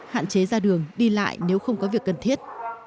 hạn chế ra đường đi lại nếu không có việc cần thiết